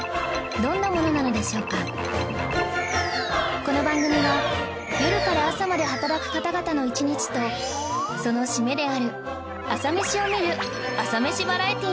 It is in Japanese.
この番組は夜から朝まで働く方々の一日とその締めである朝メシを見る朝メシバラエティなのです